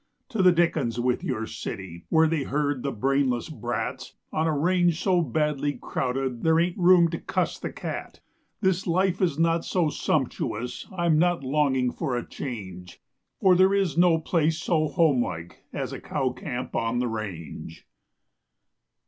To the dickens with your city Where they herd the brainless brats, On a range so badly crowded There ain't room to cuss the cat. This life is not so sumptuous, I'm not longing for a change, For there is no place so homelike As a cow camp on the range.